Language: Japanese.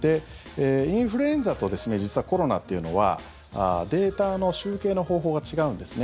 インフルエンザと実はコロナっていうのはデータの集計の方法が違うんですね。